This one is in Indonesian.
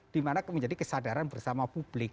dimana menjadi kesadaran bersama publik